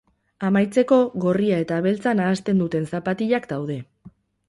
Amaitzeko, gorria eta beltza nahasten duten zapatilak daude.